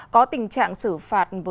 có tình trạng xử phạt với nạn phạt